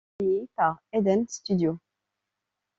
Publié par Eden Studios.